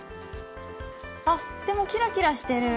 あっでもキラキラしてる。